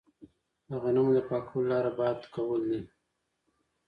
د غنمو د پاکولو لاره باد کول دي.